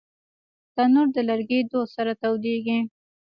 تنور د لرګي دود سره تودېږي